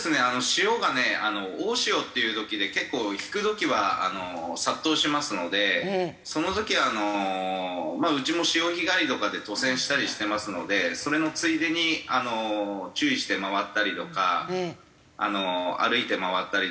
潮がね大潮っていう時で結構引く時は殺到しますのでその時はうちも潮干狩りとかで渡船したりしてますのでそれのついでに注意して回ったりとか歩いて回ったりとかして。